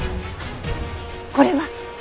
これは！